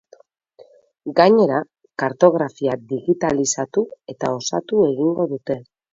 Gainera, kartografia digitalizatu eta osatu egingo dute.